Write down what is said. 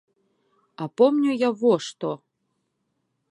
А помню я во што.